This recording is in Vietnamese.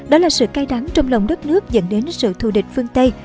đó là sự cay đắng trong lòng đất nước dẫn đến sự thù địch phương tây